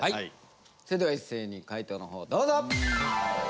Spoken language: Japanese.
それでは一斉に解答の方をどうぞ！